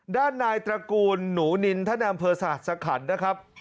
ด้านนายตระกูลหนูนินท่านในอำเภอสหสคันนะครับ